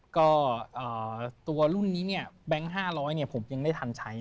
ก็ตัวรุ่นนี้เนี่ยแบงค์๕๐๐ผมยังได้ทันใช้